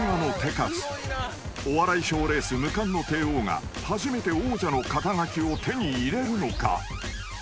［お笑い賞レース無冠の帝王が初めて王者の肩書を手に入れるのか］